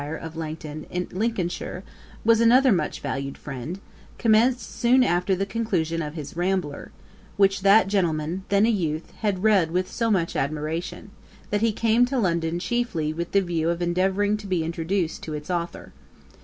of Langton, in Lincolnshire, another much valued friend, commenced soon after the conclusion of his Rambler; which that gentleman, then a youth, had read with so much admiration, that he came to London chiefly with the view of endeavouring to be introduced to its authour.